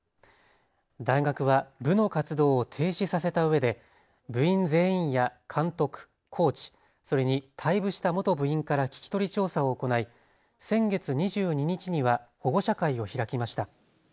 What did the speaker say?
大学は部の活動を停止させたうえで部員全員や監督、コーチ、それに退部した元部員から聞き取り調査を行い、先月２２日には保護者会を開きました。